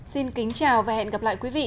xin kính chào và hẹn gặp lại quý vị